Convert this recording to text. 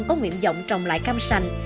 có nguyện dọng trồng lại cam sành